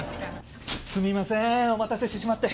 すみませんお待たせしてしまって。